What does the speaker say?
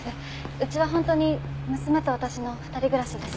うちは本当に娘と私の二人暮らしです。